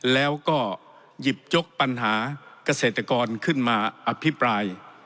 แล้วก็หยิบยกปัญหาเกษตรกรขึ้นมาอภิปราย